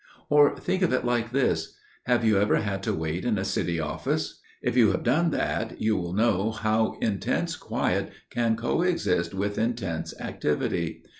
"Or think of it like this. Have you ever had to wait in a City office? If you have done that you will know how intense quiet can coexist with intense activity.